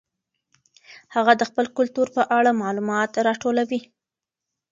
هغه د خپل کلتور په اړه معلومات راټولوي.